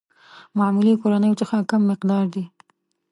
معمولي کورنيو څخه کم مقدار دي.